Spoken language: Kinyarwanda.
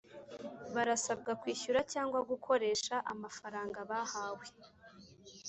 Barasabwa kwishyura cyangwa gukoresha amafaranga bahawe